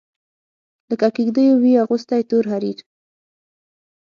لکه کیږدېو وي اغوستي تور حریر